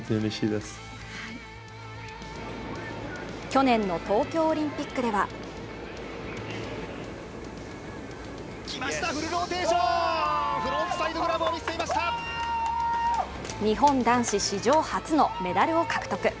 去年の東京オリンピックでは日本男子史上初のメダルを獲得。